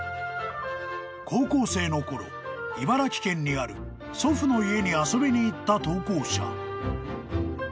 ［高校生の頃茨城県にある祖父の家に遊びに行った投稿者］